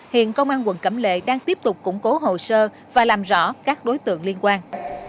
hiện công an quận cẩm lệ đang tiếp tục củng cố hồ sơ và làm rõ các đối tượng liên quan